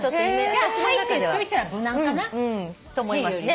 じゃあ「Ｈｉ」って言っといたら無難かな。と思いますね。